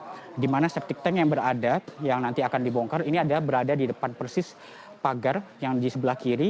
jadi ini adalah perjalanan yang akan dibongkar ini ada berada di depan persis pagar yang di sebelah kiri